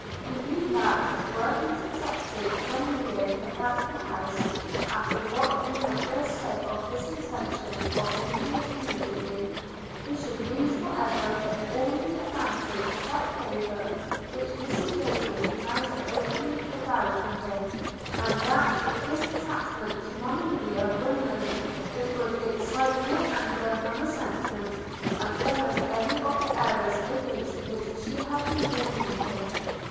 He knew that, were he detected lingering about the house, after what he had just said of his intentions of leaving it immediately, he should lose for ever all the advantage of that favour which Mrs Rayland now so openly avowed for him; and that if his attachment to Monimia were known, it would excite more anger and resentment than almost any of the errors against which she had been warning him.